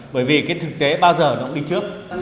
bởi vì cái thực tế bao giờ nó cũng không theo kịp